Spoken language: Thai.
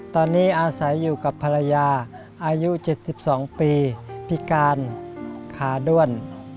ตอนนี้อาศัยอยู่กับภรรยาอายุ๗๒ปีพิการขาด้วน